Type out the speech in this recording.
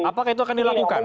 apakah itu akan dilakukan